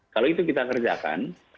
kalau itu kita kerjakan